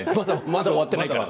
まだ終わっていないから。